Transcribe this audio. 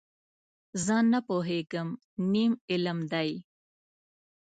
زه نه پوهېږم، نیم علم دی.